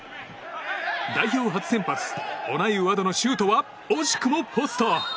代表初先発オナイウ阿道のシュートは惜しくもポスト。